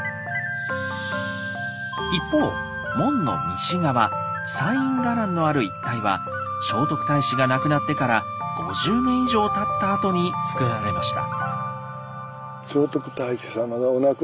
一方門の西側西院伽藍のある一帯は聖徳太子が亡くなってから５０年以上たったあとにつくられました。